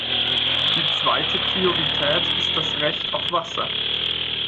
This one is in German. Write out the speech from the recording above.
Die zweite Priorität ist das Recht auf Wasser.